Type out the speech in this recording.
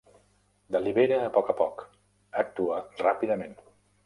Delibera a poc a poc, actua ràpidament.